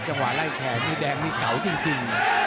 เจ้าหวาลัยแขนตรงนี้แดงเต๋นเก่าจริง